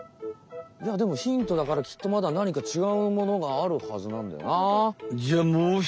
いやでもヒントだからきっとまだなにかちがうものがあるはずなんだよな。